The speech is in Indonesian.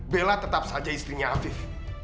bella tetap saja istrinya afif